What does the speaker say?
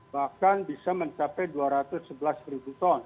bahkan bisa mencapai dua ratus sebelas ribu ton